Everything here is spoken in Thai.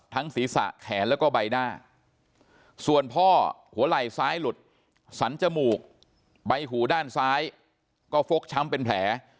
ศีรษะแขนแล้วก็ใบหน้าส่วนพ่อหัวไหล่ซ้ายหลุดสันจมูกใบหูด้านซ้ายก็ฟกช้ำเป็นแผล